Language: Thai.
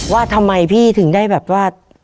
ว่าทำไมพี่ถึงได้แบบว่า